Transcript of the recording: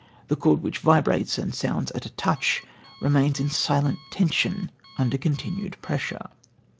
The chord which vibrates and sounds at a touch remains in silent tension under continued pressure."